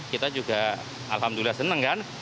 kita juga alhamdulillah senang kan